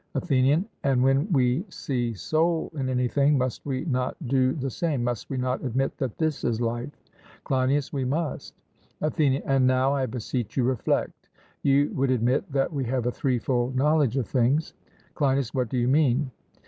ATHENIAN: And when we see soul in anything, must we not do the same must we not admit that this is life? CLEINIAS: We must. ATHENIAN: And now, I beseech you, reflect you would admit that we have a threefold knowledge of things? CLEINIAS: What do you mean?